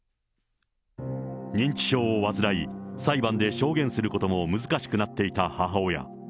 認知症を患い、裁判で証言することも難しくなっていた母親。